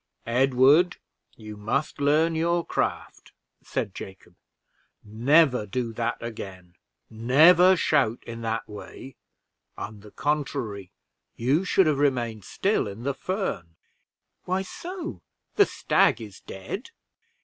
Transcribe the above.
"Edward, you must learn your craft," said Jacob; "never do that again; never shout in that way on the contrary, you should have remained still in the fern." "Why so? the stag is dead."